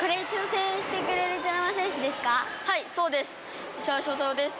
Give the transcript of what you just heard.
はいそうです。